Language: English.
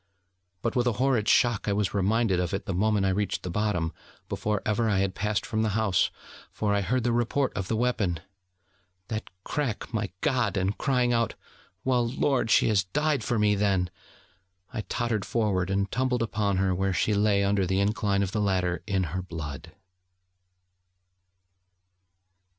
But with a horrid shock I was reminded of it the moment I reached the bottom, before ever I had passed from the house: for I heard the report of the weapon that crack, my God! and crying out: 'Well, Lord, she has died for me, then!' I tottered forward, and tumbled upon her, where she lay under the incline of the ladder in her blood.